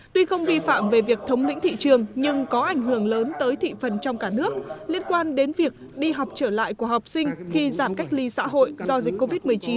tuy không vi phạm về việc thống lĩnh thị trường nhưng có ảnh hưởng lớn tới thị phần trong cả nước liên quan đến việc đi học trở lại của học sinh khi giảm cách ly xã hội do dịch covid một mươi chín